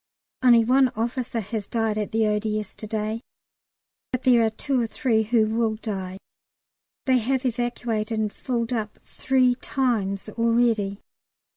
Only one officer has died at the O.D.S. to day, but there are two or three who will die. They have evacuated, and filled up three times already.